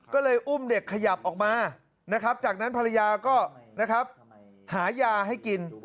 ก็เลยอุ้มเด็กขยับออกมาจากนั้นภรรยาก็หายาให้กิน